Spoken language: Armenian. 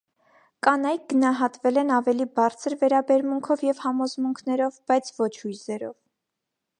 Կանայք գնահատվել են ավելի բարձր վերաբերմունքով և համոզմունքներով, բայց ոչ հույզերով։